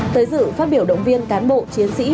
tới dự phát biểu động viên cán bộ chiến sĩ